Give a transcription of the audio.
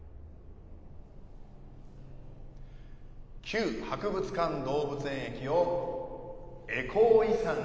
旧博物館動物園駅をエコー遺産に。